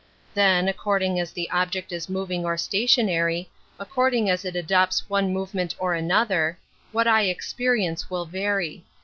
Then, according as the ob ject is moving or stationary, according as it adopts one movement or another, what I experience will vary.